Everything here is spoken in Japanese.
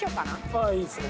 ああいいですね。